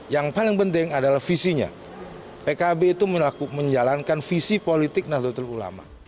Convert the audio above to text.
yang paling penting adalah visinya pkb itu menjalankan visi politik nahdlatul ulama